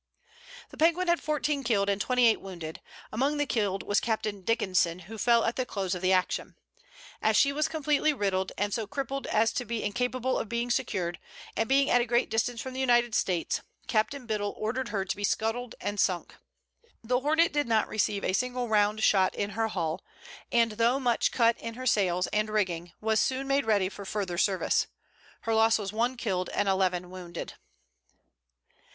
The Penguin had fourteen killed and twenty eight wounded. Among the killed was Captain Dickenson, who fell at the close of the action. As she was completely riddled, and so crippled as to be incapable of being secured, and being at a great distance from the United States, Captain Biddle ordered her to be scuttled and sunk. The Hornet did not receive a single round shot in her hull, and though much cut in her sails and rigging was soon made ready for further service. Her loss was one killed and eleven wounded.